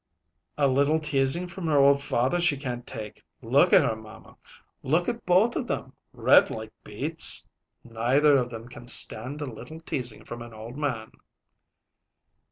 "A little teasing from her old father she can't take. Look at her, mamma! Look at both of them red like beets. Neither of them can stand a little teasing from an old man."